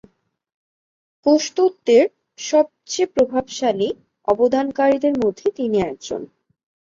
কোষ তত্ত্বের সবচেয়ে প্রভাবশালী অবদানকারীদের মধ্যে তিনি একজন।